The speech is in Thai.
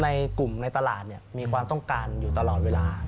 ในกลุ่มในตลาดมีความต้องการอยู่ตลอดเวลา